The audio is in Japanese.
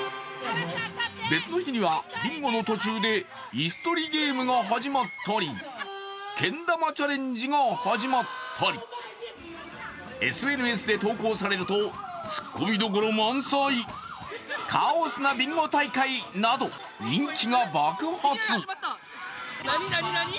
別の日にはビンゴの途中で椅子とりゲームが始まったりけん玉チャレンジが始まったりＳＮＳで投稿されるとツッコミどころ満載、カオスなビンゴ大会など人気が爆発。